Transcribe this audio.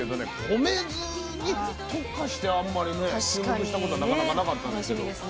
米酢に特化してあんまりね注目したことなかなかなかったんですけど。